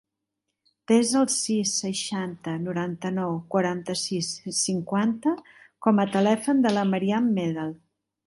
Desa el sis, seixanta, noranta-nou, quaranta-sis, cinquanta com a telèfon de la Maryam Medel.